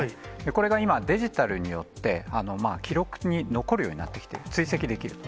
これが今、デジタルによって記録に残るようになってきてる、追跡できる。